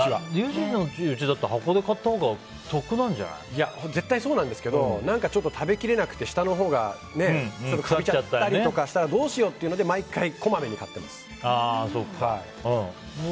ユージのうちだと箱で買ったほうが絶対そうなんですけど何かちょっと食べきれなくて下のほうがかびちゃったりしたらどうしようっていうので毎回こまめに買っています。